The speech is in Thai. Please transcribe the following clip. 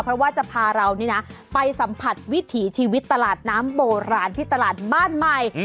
เพราะว่าจะพาเรานี่นะไปสัมผัสวิถีชีวิตตลาดน้ำโบราณที่ตลาดบ้านใหม่